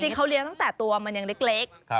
เขาเลี้ยงตั้งแต่ตัวมันยังเล็ก